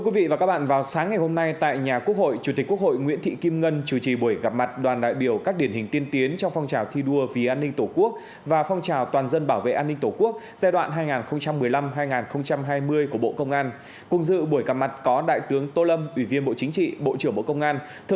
các bạn hãy đăng ký kênh để ủng hộ kênh của chúng mình nhé